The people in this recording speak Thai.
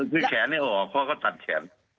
คือแขนนี่ออกออกเพราะเขาตัดแขน